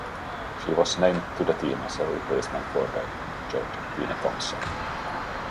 She was named to the team as a replacement for the injured Tina Thompson.